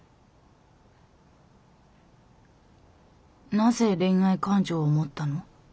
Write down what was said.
「なぜ恋愛感情を持ったの？」